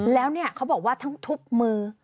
แล้วเนี่ยเขาบอกว่าทั้งทุบมือ